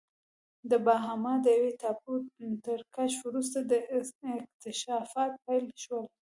د باهاما د یوې ټاپو تر کشف وروسته دا اکتشافات پیل شول.